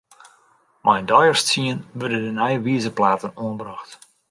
Mei in deis as tsien wurde de nije wizerplaten oanbrocht.